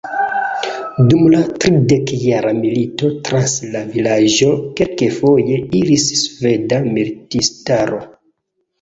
Dum la Tridekjara milito trans la vilaĝo kelkfoje iris sveda militistaro.